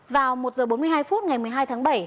vào một h bốn mươi hai phút ngày một mươi hai tháng bảy